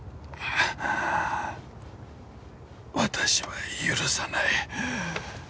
私は許さない。